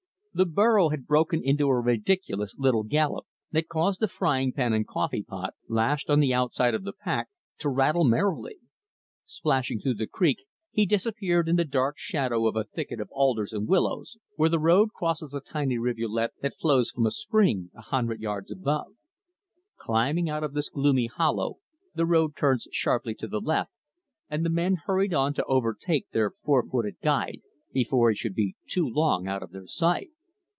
The burro had broken into a ridiculous, little gallop that caused the frying pan and coffee pot, lashed on the outside of the pack, to rattle merrily. Splashing through the creek, he disappeared in the dark shadow of a thicket of alders and willows, where the road crosses a tiny rivulet that flows from a spring a hundred yards above. Climbing out of this gloomy hollow, the road turns sharply to the left, and the men hurried on to overtake their four footed guide before he should be too long out of their sight.